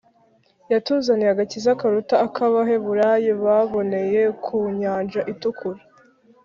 yatuzaniye agakiza karuta ak’abaheburayo baboneye ku nyanja itukura.